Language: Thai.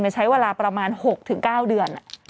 ใช้เวลาประมาณ๖๙เดือน